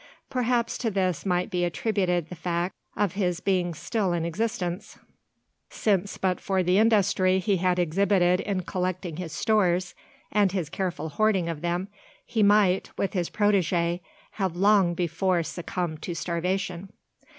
Perhaps to this might be attributed the fact of his being still in existence: since but for the industry he had exhibited in collecting his stores, and his careful hoarding of them, he might, with his protege, have long before succumbed to starvation.